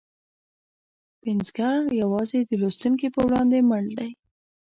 پنځګر یوازې د لوستونکي په وړاندې مړ دی.